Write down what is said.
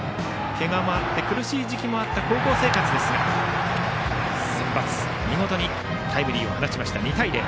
けがもあって苦しい時期もあった高校生活ですがセンバツ見事にタイムリーを放ちました、２対０。